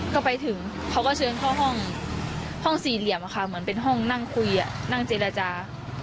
ก็ไปถึงเขาก็เชิญเข้าห้องสี่เหลี่ยมค่ะเหมือนเป็นห้องนั่งคุยนั่งเจรจา